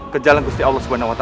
ke jalan gusti allah swt